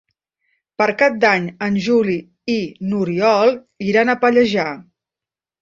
Per Cap d'Any en Juli i n'Oriol iran a Pallejà.